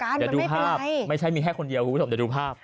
มันไม่เป็นไรอย่าดูภาพไม่ใช่มีแค่คนเดียวคุณผู้ชมอย่าดูภาพ